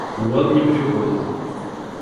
Вот не приходят.